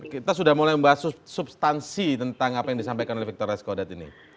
kita sudah mulai membahas substansi tentang apa yang disampaikan oleh victor reskodat ini